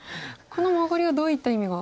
このマガリはどういった意味が。